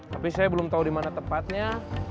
tapi saya belum tahu dimana tepatnya